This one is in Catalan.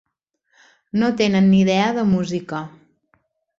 No tenen ni idea de música.